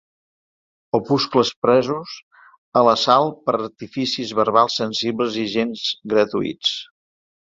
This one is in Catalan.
Opuscles presos a l'assalt per artificis verbals sensibles i gens gratuïts.